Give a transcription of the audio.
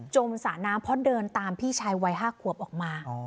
สระน้ำเพราะเดินตามพี่ชายวัย๕ขวบออกมา